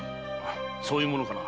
そういうものかな。